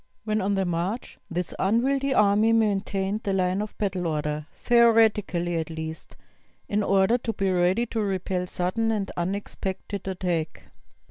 When on the march this unwieldy army maintained the line of battle order, theoretically at least, in order to be ready to repel sudden and unexpected attack.